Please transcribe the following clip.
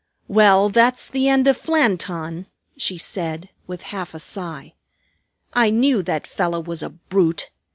"Well, that's the end of Flanton," she said with half a sigh. "I knew that fellow was a brute.